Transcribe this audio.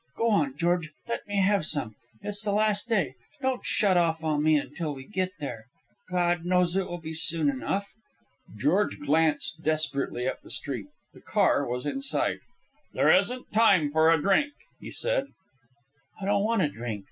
Go on, George, let me have some. It's the last day. Don't shut off on me until we get there God knows it will be soon enough." George glanced desperately up the street. The car was in sight. "There isn't time for a drink," he said. "I don't want a drink.